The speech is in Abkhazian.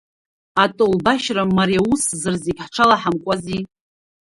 Атолбашьра мариаусзар, зегь ҳҽазаҳамкуази!